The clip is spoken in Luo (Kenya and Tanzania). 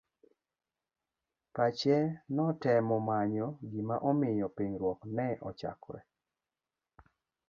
Pache notemo manyo gima omiyo pingruok ne ochakre.